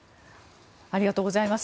ありがとうございます。